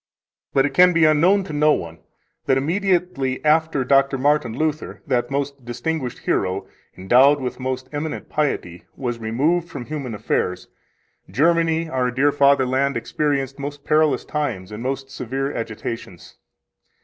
4 But it can be unknown to no one that, immediately after Dr. Martin Luther, that most distinguished hero, endowed with most eminent piety, was removed from human affairs, Germany, our dear fatherland, experienced most perilous times and most severe agitations.